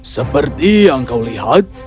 seperti yang kau lihat